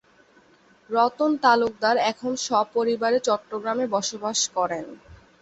রতন তালুকদার এখন স্বপরিবারে চট্টগ্রামে বসবাস করেন।